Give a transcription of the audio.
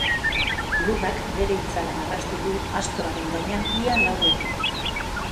Lurrak bere itzala marraztu du astroaren gainean ia lau orduz.